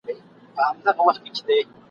چي بدل سي په ټولنه کي کسبونه ..